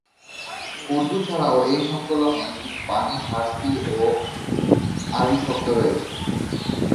উর্দু ছাড়াও এই সংকলনে কিছু বাণী ফারসি ও আরবি শব্দে রয়েছে।